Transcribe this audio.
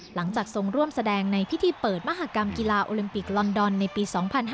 หลังจากทรงร่วมแสดงในพิธีเปิดมหากรรมกีฬาโอลิมปิกลอนดอนในปี๒๕๕๙